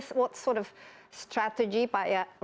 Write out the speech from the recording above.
apakah ini strategi yang